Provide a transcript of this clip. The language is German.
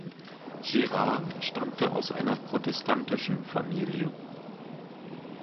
Girard stammte aus einer protestantischen Familie.